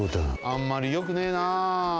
あんまりよくねえな。